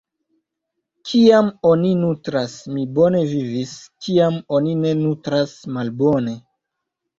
Kiam oni nutras, mi bone vivis, kiam oni ne nutras - malbone.